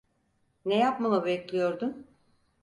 Ne yapmamı bekliyordun?